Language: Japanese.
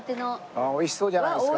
あっ美味しそうじゃないですか。